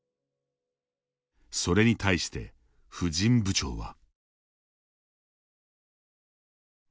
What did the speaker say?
それに対して婦人部長は。